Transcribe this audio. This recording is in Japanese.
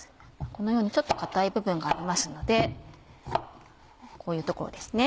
このようにちょっと硬い部分がありますのでこういう所ですね。